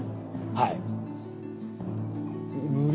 はい。